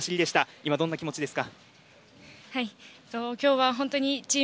今どんな気持ちですか。